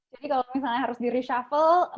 jadi kalau misalnya harus di reshuffle